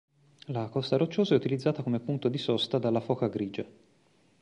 La costa rocciosa è utilizzata come punto di sosta dalla foca grigia.